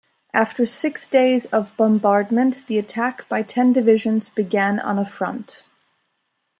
After six days of bombardment, the attack by ten divisions began on a front.